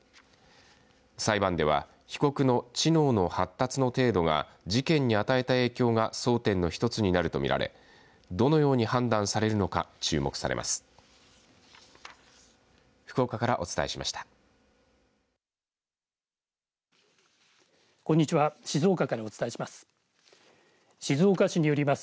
裁判では被告の知能の発達の程度が事件に与えた影響が争点の一つになるとみられどのように判断されるのか注目されます。